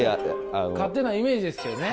勝手なイメージですけどね